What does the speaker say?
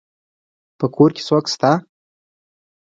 په کور کي څوک سته.